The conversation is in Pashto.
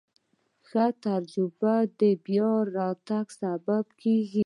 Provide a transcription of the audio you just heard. ښه تجربه د بیا راتګ سبب کېږي.